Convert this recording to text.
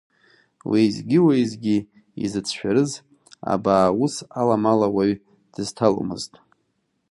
Уеизгьы-уеизгьы изыцәшәарыз, абаа ус аламала уаҩ дызҭаломызт.